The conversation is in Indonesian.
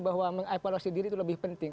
bahwa mengevaluasi diri itu lebih penting